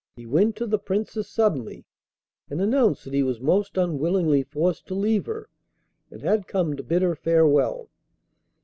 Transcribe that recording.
He went to the Princess suddenly, and announced that he was most unwillingly forced to leave her, and had come to bid her farewell.